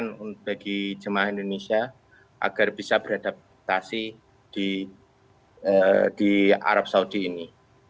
ini adalah tantangan bagi jemaah indonesia agar bisa beradaptasi di arab saudi ini